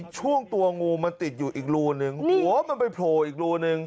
ช่วงตัวงูมันติดอยู่อีกรูนึงหัวมันไปโผล่อีกรูนึง